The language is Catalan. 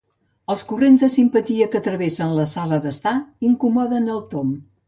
Els corrents de simpatia que travessen la sala d'estar incomoden el Tom.